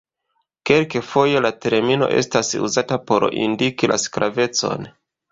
Kelkfoje la termino estas uzata por indiki sklavecon.